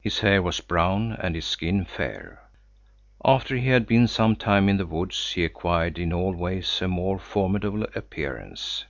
His hair was brown and his skin fair. After he had been some time in the woods he acquired in all ways a more formidable appearance.